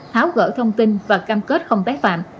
tháo gỡ thông tin và cam kết không tái phạm